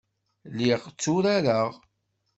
Lliɣ tturareɣ.